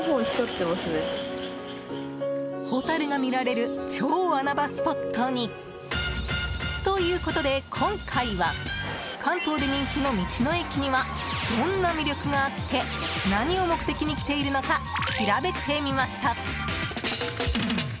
ホタルが見られる超穴場スポットに。ということで、今回は関東で人気の道の駅にはどんな魅力があって何を目的に来ているのか調べてみました。